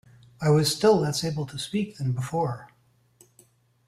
I was still less able to speak than before.